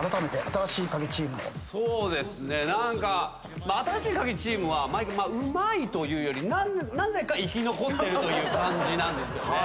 新しいカギチームはうまいというよりなぜか生き残ってるという感じなんですよね。